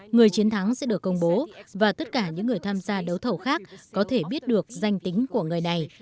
người chiến thắng sẽ được công bố và tất cả những người tham gia đấu thầu khác có thể biết được danh tính của người này